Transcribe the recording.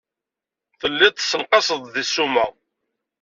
Telliḍ tessenqaseḍ-d deg ssuma.